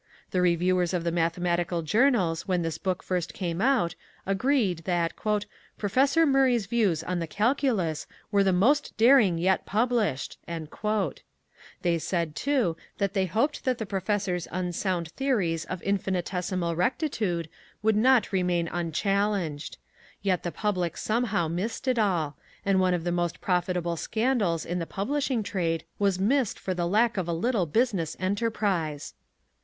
The reviewers of the mathematical journals when this book first came out agreed that "Professor Murray's views on the Calculus were the most daring yet published." They said, too, that they hoped that the professor's unsound theories of infinitesimal rectitude would not remain unchallenged. Yet the public somehow missed it all, and one of the most profitable scandals in the publishing trade was missed for the lack of a little business enterprise.